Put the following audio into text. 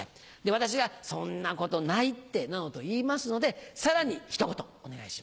私が「そんなことないって」などと言いますのでさらにひと言お願いします。